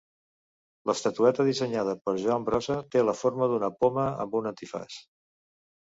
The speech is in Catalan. L'estatueta, dissenyada per Joan Brossa, té la forma d'una poma amb un antifaç.